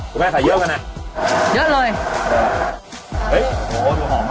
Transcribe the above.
กูแม่ไขเยอะกันอ่ะเยอะเลยอ่ะโอ้โหดูหอมอ่ะ